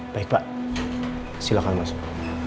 baik pak silahkan masuk